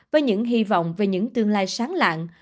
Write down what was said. với những hy vọng về những tương lai sáng lạng